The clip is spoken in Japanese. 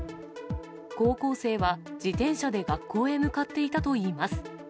高校生は、自転車で学校へ向かっていたといいます。